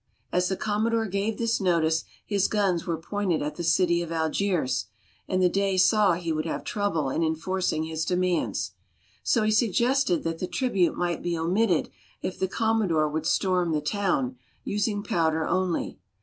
As the Commodore gave this notice his guns were pointed at the city of Algiers, and the Dey saw he would have trouble in enforcing his demands. So he suggested that the tribute might be omitted if the Commodore would storm the town, using powder only.